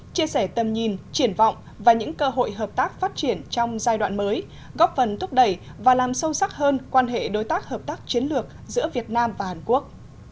chia sẻ tầm nhìn triển vọng và những cơ hội hợp tác phát triển trong giai đoạn mới góp phần thúc đẩy và làm sâu sắc hơn quan hệ đối tác hợp tác chiến lược giữa việt nam và hàn quốc